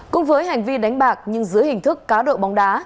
cùng với hành vi đánh bạc nhưng dưới hình thức cá độ bóng đá